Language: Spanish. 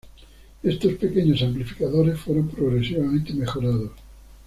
Estos pequeños amplificadores fueron progresivamente mejorados.